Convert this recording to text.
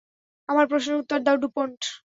আমার প্রশ্নের উত্তর দাও, ডুপোন্ট।